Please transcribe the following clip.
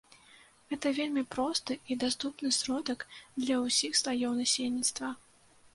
Гэта вельмі просты і даступны сродак для ўсіх слаёў насельніцтва.